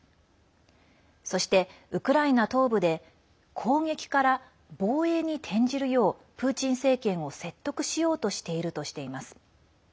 そして、ウクライナ東部で攻撃から防衛に転じるようプーチン政権を説得しようとしているとしています。